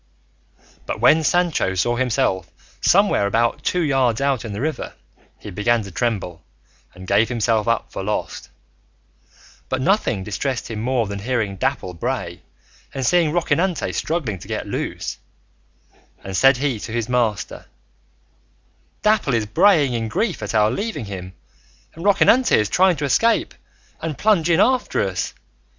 But when Sancho saw himself somewhere about two yards out in the river, he began to tremble and give himself up for lost; but nothing distressed him more than hearing Dapple bray and seeing Rocinante struggling to get loose, and said he to his master, "Dapple is braying in grief at our leaving him, and Rocinante is trying to escape and plunge in after us.